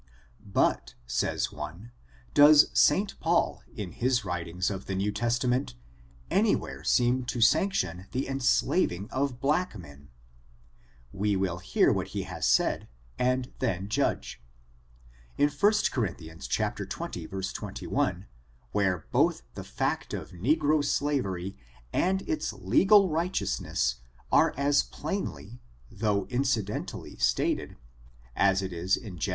But, says one, does St. Paul, in his writings of the New Testament, anywhere seem to sanction the en slaving of black men ? We will hear what he has said, and then judge. See 1 Cor. xx, 21, where both the fact of negro slavery and its leeal righteonsness are as plainly, though incidentally, stated, as it is in Gf^n.